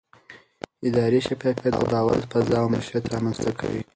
اداري شفافیت د باور فضا او مشروعیت رامنځته کوي